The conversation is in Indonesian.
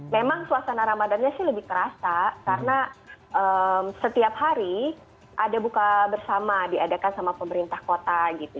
memang suasana ramadannya sih lebih terasa karena setiap hari ada buka bersama diadakan sama pemerintah kota gitu